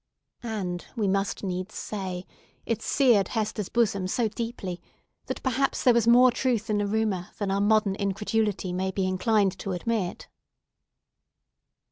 And we must needs say it seared Hester's bosom so deeply, that perhaps there was more truth in the rumour than our modern incredulity may be inclined to admit.